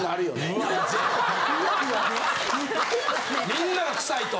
みんなが臭いと。